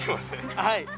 はい。